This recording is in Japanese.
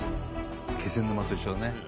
気仙沼と一緒だね。